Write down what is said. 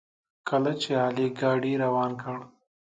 کله چې علي ګاډي روان کړ.